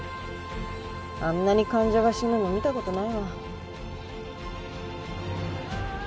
あんなに患者が死ぬの見た事ないわ。